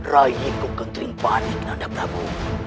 raihiku kenterimpanik nanda prabu